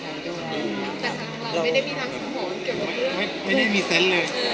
อเรนนี่ว่าพูดข่าวหรือพูดมาอะไร